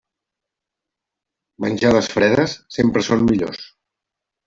Menjades fredes sempre són millors.